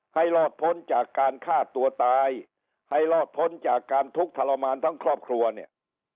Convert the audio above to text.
รอดพ้นจากการฆ่าตัวตายให้รอดพ้นจากการทุกข์ทรมานทั้งครอบครัวเนี่ย